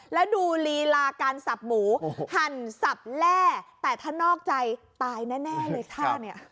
และดูลีลาการสับหมูหั่นสับแลแต่ถ้านอกใจตายแน่เลยค่ะ